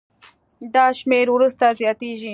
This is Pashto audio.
دا شمېر وروسته زیاتېږي.